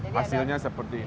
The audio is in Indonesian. hasilnya seperti ini